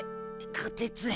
こてつ。